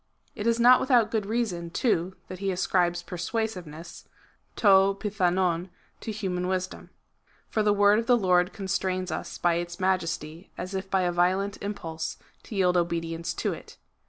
It is not without good reason, too, that he ascribes persuasiveness {to jnOavovY to human wisdom. For i;he word of the Lord constrains us by its majesty, as if by a violent impulse, to yield obedience to it.